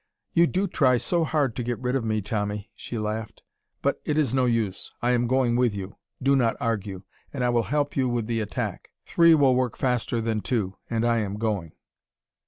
"You do try so hard to get rid of me, Tommy," the laughed, "but it is no use. I am going with you do not argue and I will help you with the attack. Three will work faster than two and I am going."